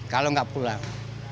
kalau gak pulang